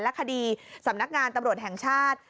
คดีสำนักงานตำรวจแห่งชาติ